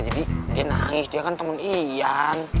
jadi dia nangis dia kan temen ian